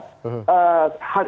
hal ini terjadi karena